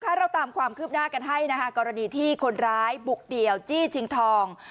ถ้าเราตามความคืบหน้ากันให้นะคะกรณีที่คนร้ายบุกเดี่ยวจี้ชิงทอง